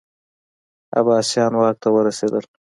عباسیان واک ته ورسېدل